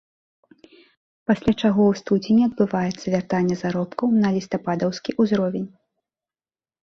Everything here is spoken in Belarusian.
Пасля чаго ў студзені адбываецца вяртанне заробкаў на лістападаўскі ўзровень.